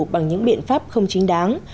bằng những biện pháp không chính đáng